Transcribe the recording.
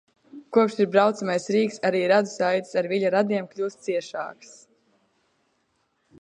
Kopš ir braucamais rīks arī radu saites ar Viļa radiem kļūs ciešākas.